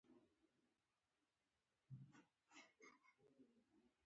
غوږ ونیسه او په لوی خدای تل باور ولره.